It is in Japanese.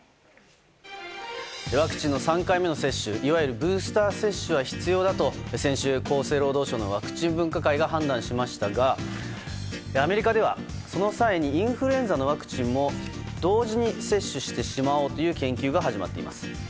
ワクチンの３回目の接種いわゆるブースター接種は必要だと先週、厚生労働省のワクチン分科会が判断しましたがアメリカでは、その際にインフルエンザのワクチンも同時に接種してしまおうという研究が始まっています。